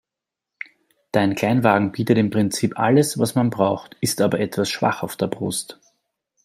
Dein Kleinwagen bietet im Prinzip alles, was man braucht, ist aber etwas schwach auf der Brust.